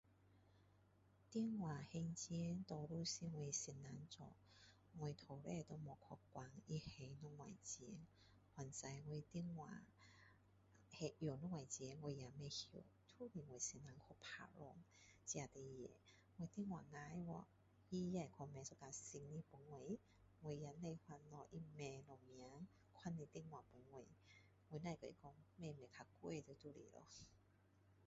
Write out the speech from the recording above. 电话还钱多数是我先生做我从来都不去管他还多少钱反正我电话还用多少钱我都不知道打算这事情我电话坏掉他也会买新的给我我也不用烦恼他买什么样的电话给我我只知道不用买太贵的就是了